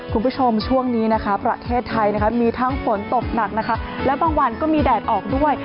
คุณผู้ชมช่วงนี้นะคะประเทศไทยนะคะมีทั้งฝนตกหนักนะคะและบางวันก็มีแดดออกด้วย